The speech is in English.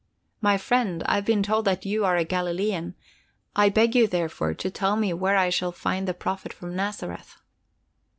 "My friend, I've been told that you are a Galilean. I beg you, therefore, to tell me where I shall find the Prophet from Nazareth!"